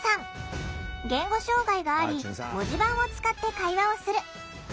言語障害があり文字盤を使って会話をする。